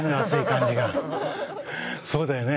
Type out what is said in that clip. そうだよね。